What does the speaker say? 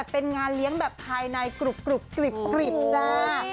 ภายในกรุบกริบจ้า